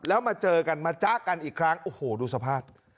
แล้วมาเจอกันมาจ๊ะกันอีกครั้งโอ้โหดูสภาพ